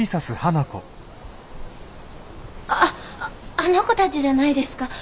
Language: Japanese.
あの子たちじゃないですか？